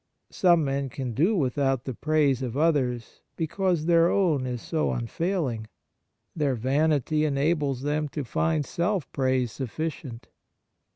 Some men can do without the praise of others because their own is so unfailing. Their vanity enables them to find self praise sufficient.